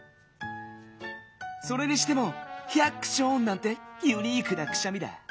それにしても「ヒャクショーン！」なんてユニークなくしゃみだ。